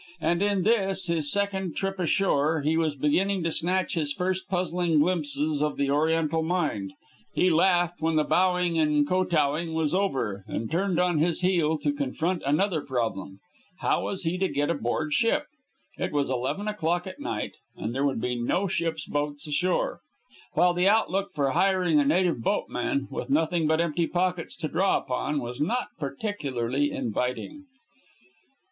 And in this, his second trip ashore, he was beginning to snatch his first puzzling glimpses of the Oriental mind. He laughed when the bowing and kotowing was over, and turned on his heel to confront another problem. How was he to get aboard ship? It was eleven o'clock at night, and there would be no ship's boats ashore, while the outlook for hiring a native boatman, with nothing but empty pockets to draw upon, was not particularly inviting.